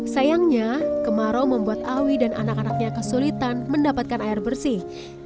sayangnya kemarau membuat awi dan anak anaknya kesulitan mendapatkan air bersih